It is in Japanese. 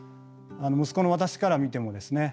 息子の私から見てもですね